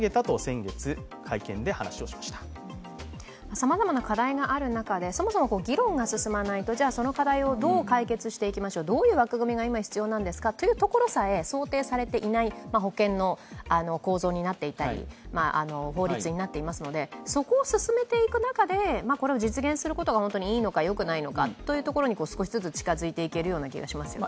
さまざまな課題がある中で、そもそも議論が進まないとその課題をどう解決していきましょう、どういう枠組みが必要なんですかというところまで想定されていない保険の構造になっていたり、法律になっていますので、そこを進めていく中でこれを実現することが本当にいいのか、よくないのかというところに少しずつ近づいていけるような気がしますよね